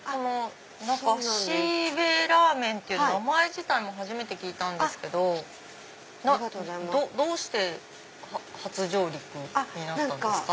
西北拉麺っていう名前自体も初めて聞いたんですけどどうして初上陸になったんですか？